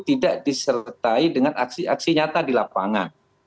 tidak disertai dengan aksi aksi nyata di lapangan